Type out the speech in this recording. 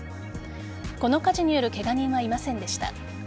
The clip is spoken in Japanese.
この火事によるケガ人はいませんでした。